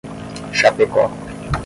Chapecó